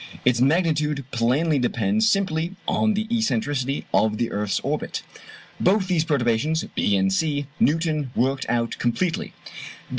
Its magnitude plainly depends simply on the excentricity of the earth's orbit. Both these perturbations, (b) and (c), Newton worked out completely.